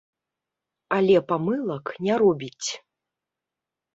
Але памылак не робіць.